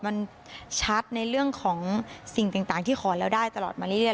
มันชัดในเรื่องของสิ่งต่างที่ขอแล้วได้ตลอดมาเรื่อย